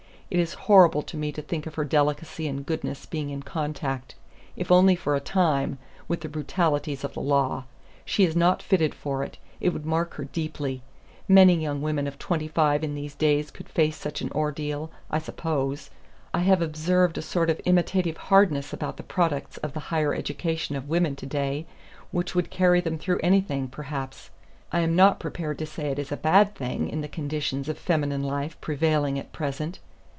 It is horrible to me to think of her delicacy and goodness being in contact, if only for a time, with the brutalities of the law. She is not fitted for it. It would mark her deeply. Many young women of twenty five in these days could face such an ordeal, I suppose. I have observed a sort of imitative hardness about the products of the higher education of women to day which would carry them through anything, perhaps. I am not prepared to say it is a bad thing in the conditions of feminine life prevailing at present.